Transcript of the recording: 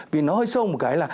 vì nó hơi sâu một cái là